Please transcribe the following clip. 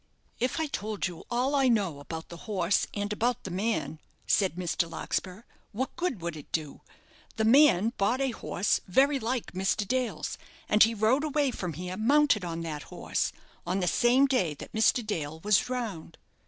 "If I told you all I know about the horse and about the man," said Mr. Larkspur, "what good would it do? The man bought a horse very like Mr. Dale's, and he rode away from here mounted on that horse, on the same day that Mr. Dale was drowned.